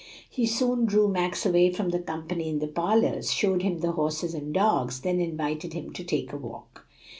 He soon drew Max away from the company in the parlors, showed him the horses and dogs, then invited him to take a walk.